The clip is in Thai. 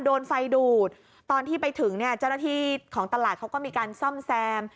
โดนไฟดูดตอนที่ไปถึงเนี่ยเจ้าหน้าที่ของตลาดเขาก็มีการซ่อมแซม